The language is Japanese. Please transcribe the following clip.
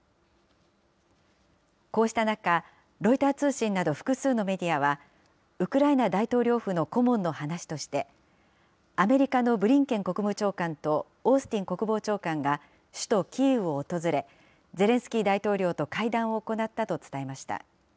こうした中、ロイター通信など複数のメディアは、ウクライナ大統領府の顧問の話として、アメリカのブリンケン国務長官とオースティン国防長官が首都キーウを訪れ、ゼレンスキー大統領と会談を行ったと伝えました。